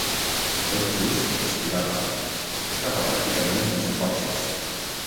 Tot just respirava, estava pràcticament sense forces.